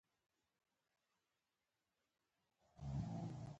که څوک جرم ترسره کړي، د پولیسو لخوا به ونیول شي.